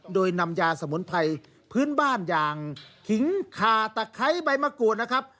โดยนำยาสมุนไพรพื้นบ้านอย่างขิงคาตะไคร้ใบมะกรูดนะครับ